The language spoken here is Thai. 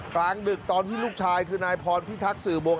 กลางดึกตอนที่ลูกชายคือนายพรพิทักษือวงศ